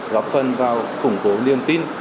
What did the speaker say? góp phần vào củng cố niềm tin